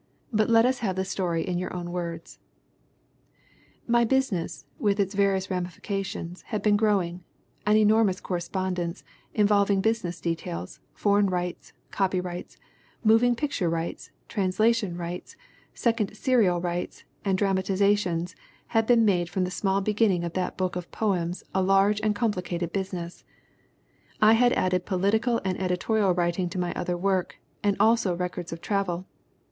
But let us have the story in your own words : "My business with its various ramifications had been growing ; an enormous correspondence, involving busi ness details, foreign rights, copyrights, moving picture rights, translation rights, second serial rights, and dra matizations, had made from the small beginning of that book of poems a large and complicated business. "I had added political and editorial writing to my other work, and also records of travel.